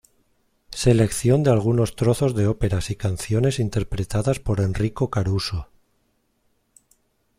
Selección de algunos trozos de óperas y canciones interpretadas por Enrico Caruso.